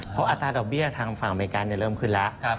เพราะอัตราดอกเบี้ยทางฝั่งอเมริกาเริ่มขึ้นแล้ว